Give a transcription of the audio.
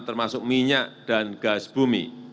termasuk minyak dan gas bumi